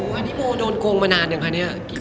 โอ้โฮนี่โมโดนโกงมานานหรือเปล่าเนี่ย